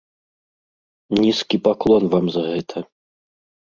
Нізкі паклон вам за гэта.